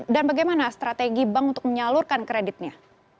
dan bagaimana strategi bank untuk menyalurkan kreditnya